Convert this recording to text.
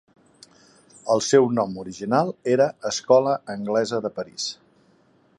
El seu nom original era Escola Anglesa de París.